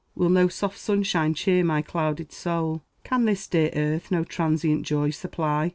Will no soft sunshine cheer my clouded soul? Can this dear earth no transient joy supply?